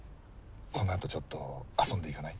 このあとちょっと遊んでいかない？